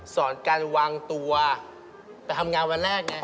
สอนการวางตัวไปทำงานวันแรกไง